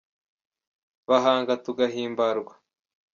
Bahanga tugahimbarwa